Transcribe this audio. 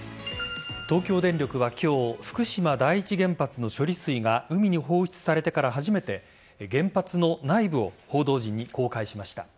東京電力は今日福島第一原発の処理水が海に放出されてから初めて原発の内部を報道陣に公開しました。